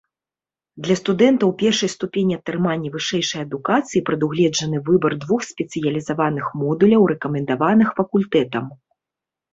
Для студэнтаў першай ступені атрымання вышэйшай адукацыі прадугледжаны выбар двух спецыялізаваных модуляў, рэкамендаваных факультэтам.